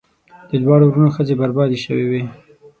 د دواړو وروڼو ښځې بربادي شوې وې.